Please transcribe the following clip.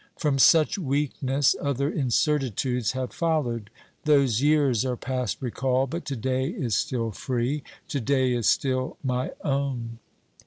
From such weakness other incertitudes have followed. Those years are past recall, but to day is still free ; to day is still my own.